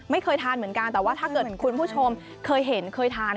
ไม่เคยทานเหมือนกันแต่ว่าถ้าเกิดคุณผู้ชมเคยเห็นเคยทาน